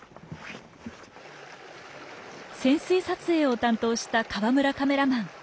潜水撮影を担当した河村カメラマン。